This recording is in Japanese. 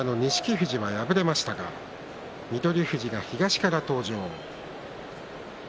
富士は敗れましたが翠富士が東から登場。